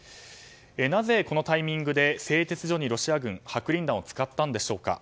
なぜ、このタイミングで製鉄所にロシア軍は白リン弾を使ったんでしょうか。